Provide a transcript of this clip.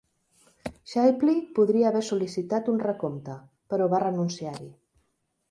Shipley podria haver sol·licitat un recompte, però va renunciar-hi.